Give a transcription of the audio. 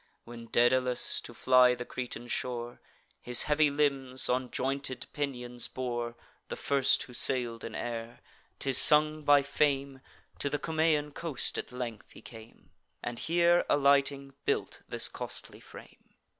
When Daedalus, to fly the Cretan shore, His heavy limbs on jointed pinions bore, (The first who sail'd in air,) 'tis sung by Fame, To the Cumaean coast at length he came, And here alighting, built this costly frame.